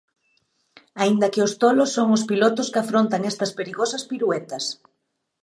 Aínda que os tolos son os pilotos que afrontan estas perigosas piruetas.